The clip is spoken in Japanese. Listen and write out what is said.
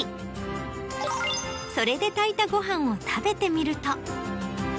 それで炊いたご飯を食べてみると。